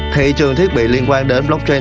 thị trường thiết bị liên quan đến blockchain